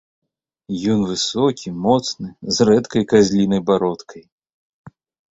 Ён высокі, моцны, з рэдкай казлінай бародкай.